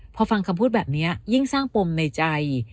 พอฟังคำพูดแบบนี้ยิ่งสร้างปมในใจ